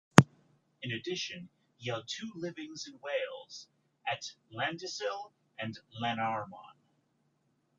In addition, he held two livings in Wales, at Llandyssil and Llanarmon.